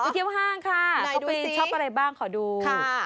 เที่ยวห้างค่ะไปชอบอะไรบ้างขอดู